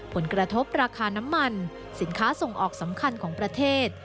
ผลกระทบราคาน้ำมันสินค้าส่งออกสำคัญของประเทศ